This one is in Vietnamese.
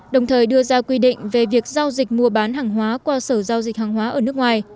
đồng thời đưa ra quy định về việc giao dịch mua bán hàng hóa qua sở giao dịch hàng hóa ở nước ngoài